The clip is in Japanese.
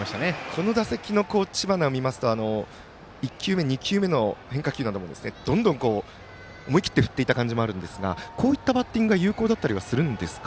この打席の知花を見ますと１球目、２球目の変化球などもどんどん、思い切って振っていた感じもあったんですがこういったバッティングが有効だったりするんですか？